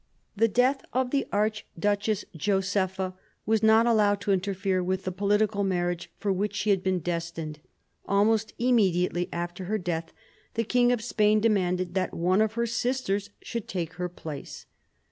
The death of the Archduchess Josepha was not allowed to interfere with the political marriage for which she had been destined. Almost immediately after her death, the King of Spain demanded that one of her sisters should take her place.